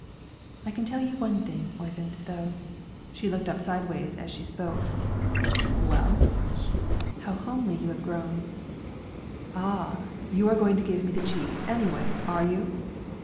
"I can tell you one thing, Oyvind, though." She looked up sideways as she spoke. "Well?" "How homely you have grown!" "Ah! you are going to give me the cheese, anyway; are you?"